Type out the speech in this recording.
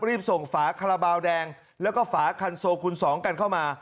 รีบส่งฝาคาราบาลแดงแล้วก็ฝาคันโซคูณสองกันเข้ามา